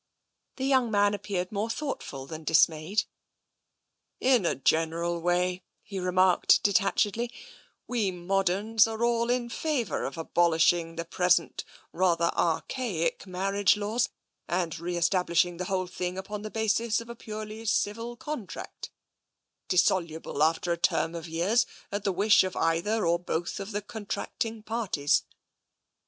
The young man appeared more thoughtful than dis mayed. i 172 TENSION " In a general way," he remarked detachejdly, " we modems are all in favour of abolishing the present rather archaic marriage laws, and re establishing the whole thing upon the basis of a purely ciyil contract; dissoluble after a term of years at the wish of either or both of the contracting parties.